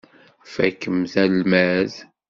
Fakkemt almad.